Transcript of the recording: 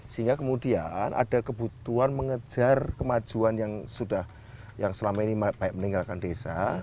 sehingga kemudian ada kebutuhan mengejar kemajuan yang selama ini banyak meninggalkan desa